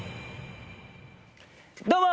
どうも！